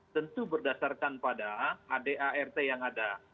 tentu berdasarkan pada adart yang ada